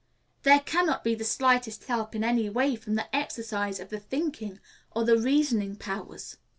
There can not be the slightest help in any way from the exercise of the thinking or the reasoning powers.